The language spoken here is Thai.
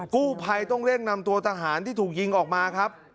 กู้ภัยต้องเร่งนำตัวทหารที่ถูกยิงออกมาครับ